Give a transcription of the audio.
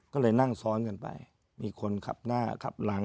ก็เลยนั่งซ้อนกันไปมีคนขับหน้าขับหลัง